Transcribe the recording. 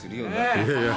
いやいや。